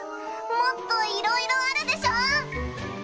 もっといろいろあるでしょう！？